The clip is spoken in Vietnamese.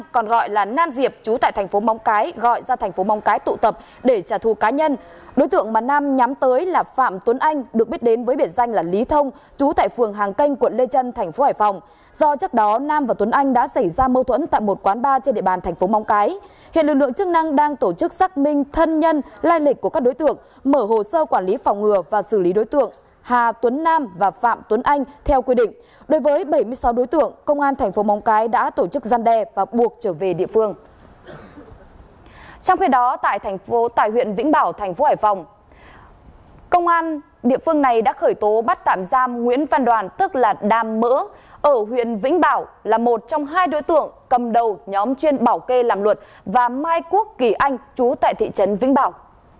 công an địa phương này đã khởi tố bắt tạm giam nguyễn văn đoàn tức là đàm mỡ ở huyện vĩnh bảo là một trong hai đối tượng cầm đầu nhóm chuyên bảo kê làm luật và mai quốc kỳ anh trú tại thị trấn vĩnh bảo